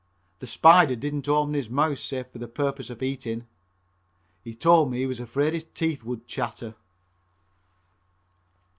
The "Spider" didn't open his mouth save for the purpose of eating. He told me he was afraid his teeth would chatter.